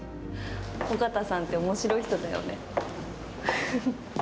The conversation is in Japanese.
尾形さんっておもしろい人だよね。